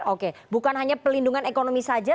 oke bukan hanya pelindungan ekonomi saja